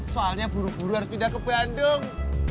soalnya buru buru harus pindah ke bandung